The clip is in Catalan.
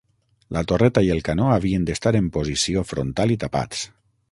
La torreta i el canó havien d'estar en posició frontal i tapats.